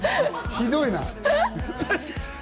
ひどいな。